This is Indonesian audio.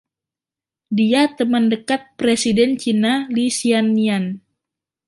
Dia teman dekat Presiden Cina Li Xiannian.